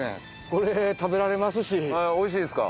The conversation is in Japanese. これ食べられますし。